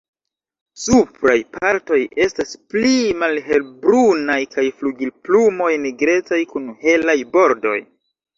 Supraj partoj estas pli malhelbrunaj kaj flugilplumoj nigrecaj kun helaj bordoj.